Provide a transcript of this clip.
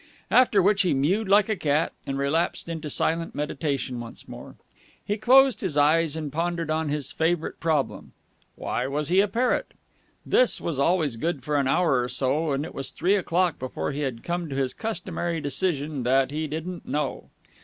After which he mewed like a cat, and relapsed into silent meditation once more. He closed his eyes and pondered on his favourite problem Why was he a parrot? This was always good for an hour or so, and it was three o'clock before he had come to his customary decision that he didn't know.